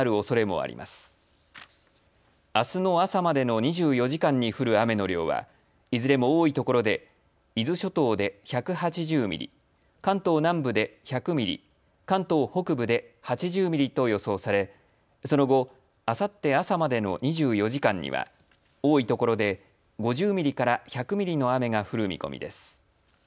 あすの朝までの２４時間に降る雨の量はいずれも多いところで伊豆諸島で１８０ミリ、関東南部で１００ミリ、関東北部で８０ミリと予想されその後、あさって朝までの２４時間には多いところで５０ミリから１００ミリの雨が降る見込みです。